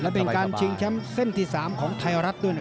และเป็นการชิงแชมป์เส้นที่๓ของไทยรัฐด้วย